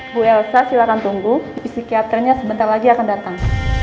bu elsa silakan tunggu psikiaternya sebentar lagi akan datang